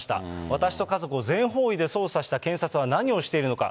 私と家族を全方位で捜査した検察は何をしているのか。